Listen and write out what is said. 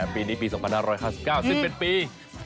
ปีนี้ปี๒๕๙๑ปี